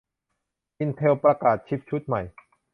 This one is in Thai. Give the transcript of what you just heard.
อินเทลประกาศชิปชุดใหม่